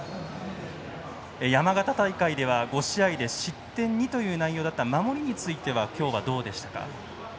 山形大会では５試合で失点２という内容の守りについては今日はどうでしたか。